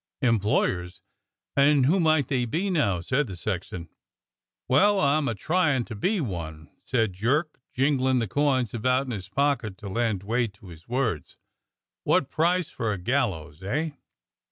"Employers.'^ And who might they be now?" said the sexton. "Well, I'm a tryin' to be one," said Jerk, jingling the coins about in his pocket to lend weight to his words. "W^hat price for a gallows, eh?"